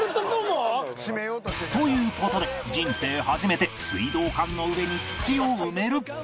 という事で人生初めて水道管の上に土を埋める